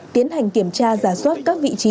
tiến hành kiểm tra giả soát các vị trí